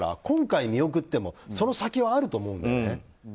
今回、見送ってもその先はあると思うんだよね。